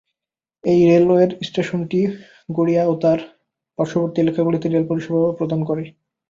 এই রেলওয়ে স্টেশনটি গড়িয়া ও তার পার্শ্ববর্তী এলাকাগুলিতে রেল পরিষেবা প্রদান করে।